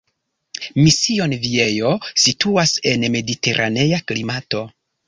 Mission Viejo situas en mediteranea klimato.